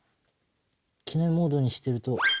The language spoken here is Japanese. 機内モードにしてると。